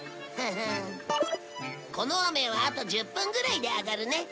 この雨はあと１０分ぐらいで上がるね。